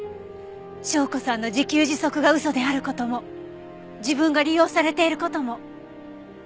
紹子さんの自給自足が嘘である事も自分が利用されている事も。